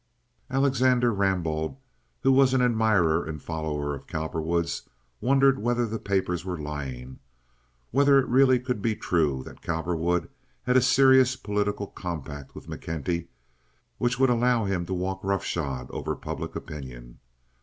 Alexander Rambaud, who was an admirer and follower of Cowperwood's, wondered whether the papers were lying, whether it really could be true that Cowperwood had a serious political compact with McKenty which would allow him to walk rough shod over public opinion.